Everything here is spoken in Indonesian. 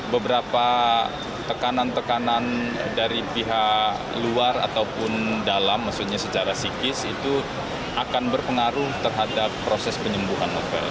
beberapa tekanan tekanan dari pihak luar ataupun dalam maksudnya secara psikis itu akan berpengaruh terhadap proses penyembuhan novel